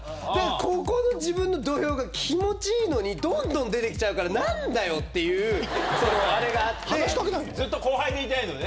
ここの自分の土俵が気持ちいいのに、どんどん出てきちゃうから、なんだよっていう、ずっと後輩でいたいのね。